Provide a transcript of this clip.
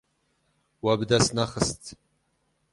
We bi dest nexist.